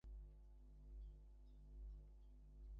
গোবিন্দলাল শা স্বামীজীর আলমোড়া-নিবাসী ভক্ত।